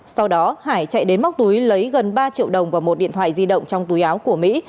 sau đó hải chạy đến móc túi lấy gần ba triệu đồng và một điện thoại di động trong túi áo của mỹ